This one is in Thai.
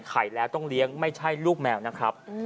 ไข่แล้วต้องเลี้ยงไม่ใช่ลูกแมวนะครับ